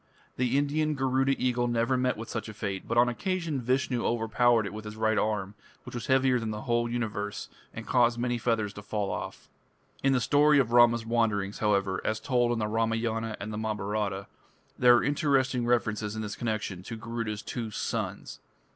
The Indian Garuda eagle never met with such a fate, but on one occasion Vishnu overpowered it with his right arm, which was heavier than the whole universe, and caused many feathers to fall off. In the story of Rama's wanderings, however, as told in the Ramayana and the Mahabharata, there are interesting references in this connection to Garuda's two "sons".